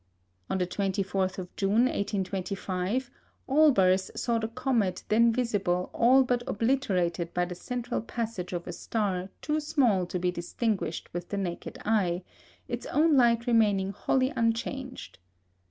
On the 24th of June, 1825, Olbers saw the comet then visible all but obliterated by the central passage of a star too small to be distinguished with the naked eye, its own light remaining wholly unchanged.